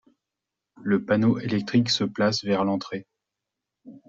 le panneau électrique se place vers l'entrée